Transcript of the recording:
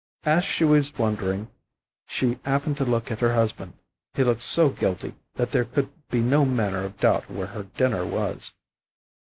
As she was wondering, she happened to look at her husband; he looked so guilty that there could be no manner of doubt where her dinner was.